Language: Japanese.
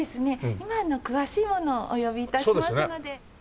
今詳しい者をお呼び致しますので。